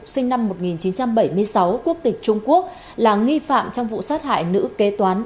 sinh năm một nghìn chín trăm bảy mươi sáu quốc tịch trung quốc là nghi phạm trong vụ sát hại nữ kế toán